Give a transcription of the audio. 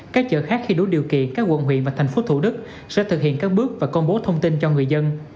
các chợ khác khi đủ điều kiện các quận huyện và thành phố thủ đức sẽ thực hiện các bước và công bố thông tin cho người dân